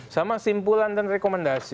sama simpulan dan rekomendasi